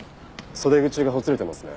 袖口がほつれてますね。